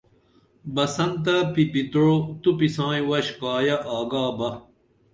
بسن تہ پی پی تعو توپی سائیں وش کایہ آگابہ